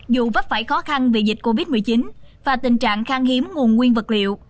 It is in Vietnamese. dù vấp phải khó khăn vì dịch covid một mươi chín và tình trạng khang hiếm nguồn nguyên vật liệu